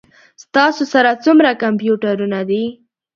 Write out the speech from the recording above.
ستاسو سره څومره کمپیوټرونه دي؟